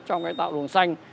trong cái tạo đường xanh